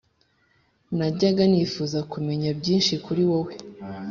najyaga nifuza kumenya byinshi kuri wowe,